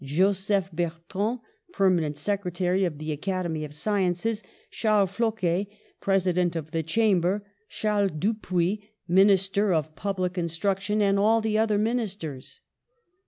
Joseph Bertrand, perma nent Secretary of the iicademy of Sciences; Charles Floquet, President of the Chamber; Charles Dupuy, Minister of Public Instruction, and all the other Ministers.